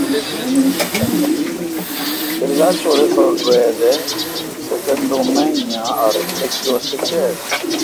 It is also referred to as saccadomania or reflexive saccade.